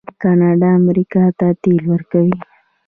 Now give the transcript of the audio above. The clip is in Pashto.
کاناډا امریکا ته تیل ورکوي.